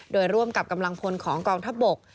โดยร่วมกับกำลังพลของกองทัพบก